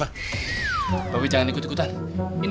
namanya targetonya jadi t tiga dan beep